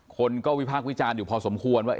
คนก็วิพากษ์วิจารณ์อยู่พอสมควรว่า